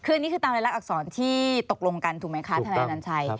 คืออันนี้คือตามรายลักษรที่ตกลงกันถูกไหมคะทนายอนัญชัย